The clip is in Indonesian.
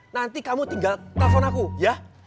nanti kamu tinggal telepon aku ya